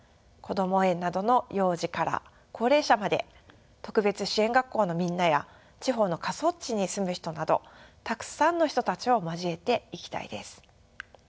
こども園などの幼児から高齢者まで特別支援学校のみんなや地方の過疎地に住む人などたくさんの人たちを交えていきたいです。